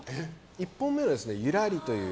１本目の「ゆらり」という。